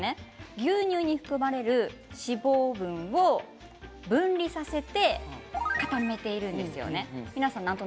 輸入に含まれる脂肪分を分離させて固めているんです。